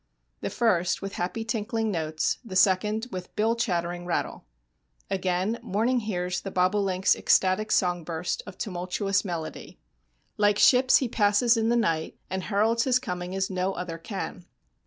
The first, with happy tinkling notes, the second with bill chattering rattle. Again, morning hears the bobolink's ecstatic songburst of tumultuous melody. Like ships he "passes in the night" and heralds his coming as no other can.